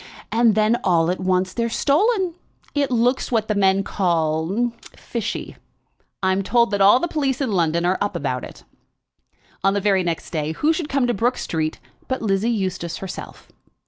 And then all at once, they're stolen. It looks what the men call fishy. I'm told that all the police in London are up about it." On the very next day who should come to Brook Street, but Lizzie Eustace herself.